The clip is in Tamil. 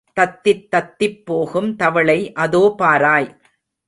தத்தித் தத்திப் போகும் தவளை அதோ பாராய்.